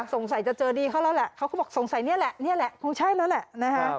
สงสัยจะเจอดีเขาแล้วแหละเขาก็บอกสงสัยนี่แหละนี่แหละคงใช่แล้วแหละนะฮะ